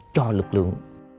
cho lực lượng